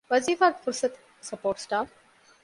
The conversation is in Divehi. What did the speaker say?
ވަޒީފާގެ ފުރުޞަތު - ސަޕޯޓް ސްޓާފް